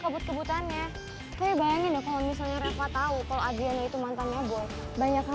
kebut kebutannya bayangin kalau misalnya reva tahu kalau adriana itu mantan aboy banyak hal